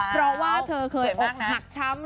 เพราะว่าเธอเคยอกหักช้ำ